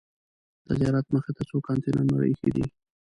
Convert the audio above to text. د زیارت مخې ته څو کانتینرونه ایښي دي.